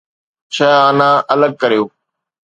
ڇهه آنا الڳ ڪريو.